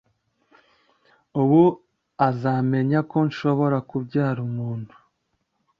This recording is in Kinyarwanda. Ubu azamenya ko nhobora kubyara umuntu,